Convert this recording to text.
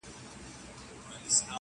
نه دي زور نه دي دولت سي خلاصولای!.